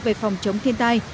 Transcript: về phòng chống thiên tai